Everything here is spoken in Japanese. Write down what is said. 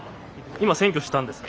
今選挙したんですか？